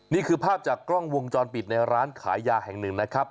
นี่คือภาพจากกล้องวงจรปิดในร้านขายยาแห่งหนึ่งนะครับ